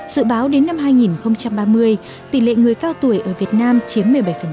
dự báo đến năm hai nghìn ba mươi tỷ lệ người cao tuổi ở việt nam chiếm một mươi bảy